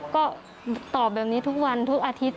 ก็ตอบแบบนี้ทุกวันทุกอาทิตย์